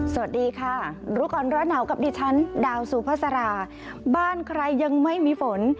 สวัสดีค่ะรู้ก่อนร้อนหนาวกับดิฉันดาวสุภาษาราบ้านใครยังไม่มีฝน